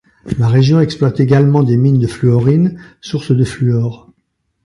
La région exploite également des mines du fluorine, source de fluor.